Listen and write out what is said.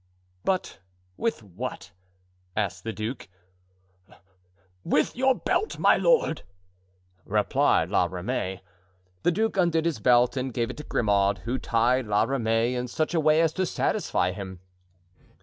"But with what?" asked the duke. "With your belt, my lord!" replied La Ramee. The duke undid his belt and gave it to Grimaud, who tied La Ramee in such a way as to satisfy him.